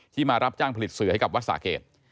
มารับจ้างผลิตเสือให้กับวัดสาเกต